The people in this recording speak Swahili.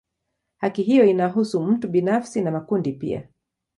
Haki hiyo inahusu mtu binafsi na makundi pia.